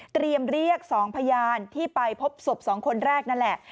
เตรียมเรียก๒พยานที่ไปพบศพ๒คนแรกนั่นแหละ